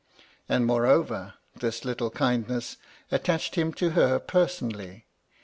And, moreover, this little kindness attached him to her personally.